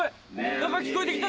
何か聞こえて来た！